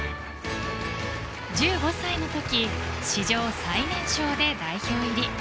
１５歳のとき史上最年少で代表入り。